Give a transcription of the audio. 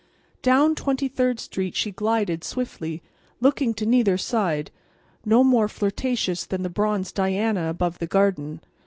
Down Twenty third street she glided swiftly, looking to neither side; no more flirtatious than the bronze Diana above the Garden.